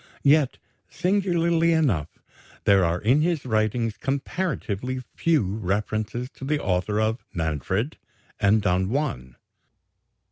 Yet, singularly enough, there are in his writings comparatively few references to the author of "Manfred" and "Don Juan."